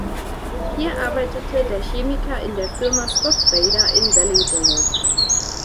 Hier arbeitete der Chemiker in der Firma Scott Bader in Wellingborough.